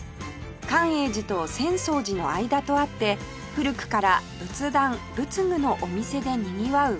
寛永寺と浅草寺の間とあって古くから仏壇・仏具のお店でにぎわう